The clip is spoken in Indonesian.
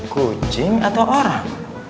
kucing atau orang